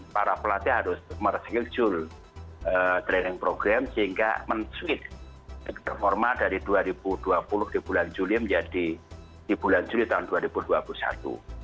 para pelatih harus mereskill jule training program sehingga men tweet performa dari dua ribu dua puluh di bulan juli menjadi di bulan juli tahun dua ribu dua puluh satu